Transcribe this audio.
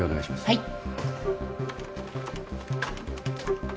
・はい。